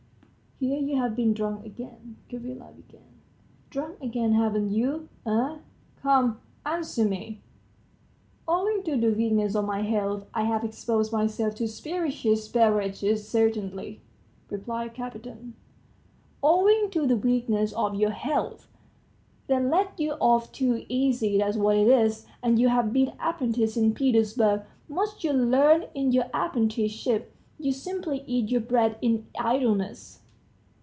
"Here you've been drunk again," Gavrila began, "drunk again, haven't you? Eh? Come, answer me!" "Owing to the weakness of my health, I have exposed myself to spirituous beverages, certainly," replied Kapiton. "Owing to the weakness of your health! ... They let you off too easy, that's what it is; and you've been apprenticed in Petersburg. .. Much you learned in your apprenticeship! You simply eat your bread in idleness."